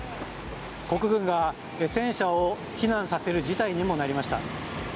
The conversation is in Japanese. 国軍が戦車を避難させる事態にもなりました。